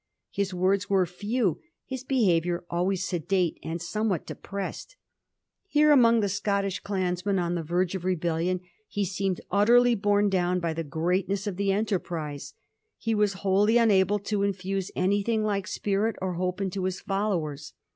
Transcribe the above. His words were few, his beha viour always sedate and somewhat depressed. Here, among the Scottish clansmen on the verge of rebel lion, he seemed utterly borne down by the greatness of the enterprise. He was wholly unable to infuse anything like spirit or hope into his followers.